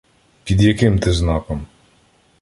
Під яким ти знаком?